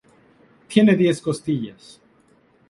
Tiene diez costillas.